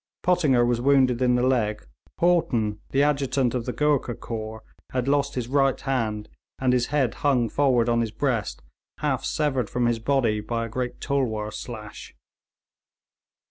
Pottinger was wounded in the leg, Haughton, the adjutant of the Goorkha corps, had lost his right hand, and his head hung forward on his breast, half severed from his body by a great tulwar slash.